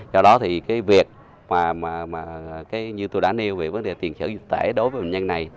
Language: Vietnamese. do đó thì cái việc mà như tôi đã nêu về vấn đề tiền sử dịch tễ đối với bệnh nhân này